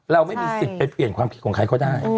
เราไม่มีสิทธิ์ไปเปลี่ยนความคิดของใครเขาได้